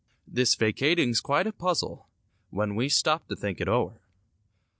This vacating's quite a puzzle. When we stop to think it o'er.